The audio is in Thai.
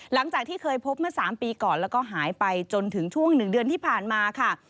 หลังจากที่เคยพบเมื่อ๓ปีก่อนแล้วก็หายไปจนถึงช่วง๑เดือนที่ผ่านมาค่ะ